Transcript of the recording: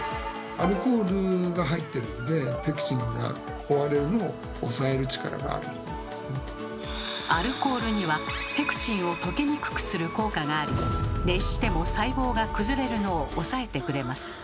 アルコールにはペクチンを溶けにくくする効果があり熱しても細胞が崩れるのを抑えてくれます。